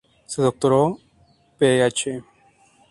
Se doctoró Ph.